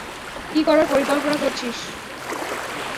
কী করার পরিকল্পনা করছিস?